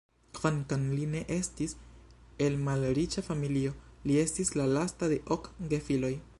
Kvankam li ne estis el malriĉa familio, li estis la lasta de ok gefiloj.